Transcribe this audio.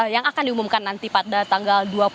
yang akan diumumkan nanti pada tanggal dua puluh